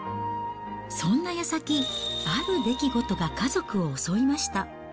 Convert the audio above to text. そんなやさき、ある出来事が家族を襲いました。